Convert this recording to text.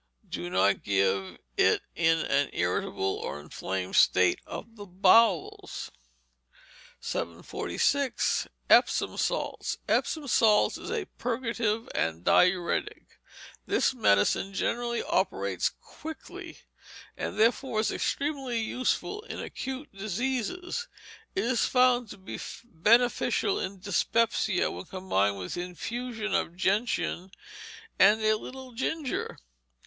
_ Do not give it in an irritable or inflamed state of the bowels. 746. Epsom Salts Epsom Salts is a purgative and diuretic. This medicine generally operates quickly, and therefore is extremely useful in acute diseases. It is found to be beneficial in dyspepsia when combined with infusion of gentian and a little ginger.